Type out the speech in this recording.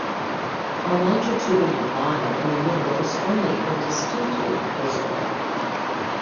A longitudinal line in the middle is only indistinctly visible.